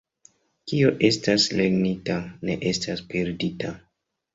Kio estas lernita, ne estas perdita.